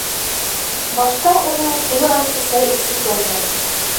Башта уны туйғансы сәй эсергәндәр.